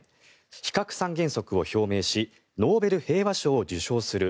非核三原則を表明しノーベル平和賞を受賞する。